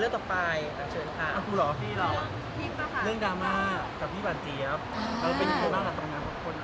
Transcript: เรื่องราวดีเป็นแล้วนะคะติดตามการ